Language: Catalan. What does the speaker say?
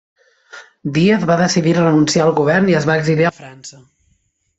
Díaz va decidir renunciar al govern i es va exiliar a França.